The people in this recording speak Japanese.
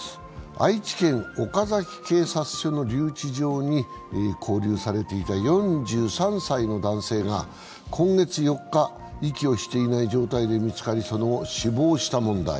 愛知県岡崎警察署の留置場に勾留されていた４３歳の男性が今月４日、息をしていない状態で見つかり、その後死亡した問題。